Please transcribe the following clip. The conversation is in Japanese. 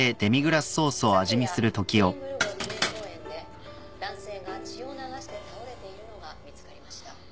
昨夜クリングル号記念公園で男性が血を流して倒れているのが見つかりました。